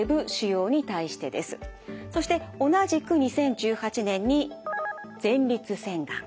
そして同じく２０１８年に前立腺がん。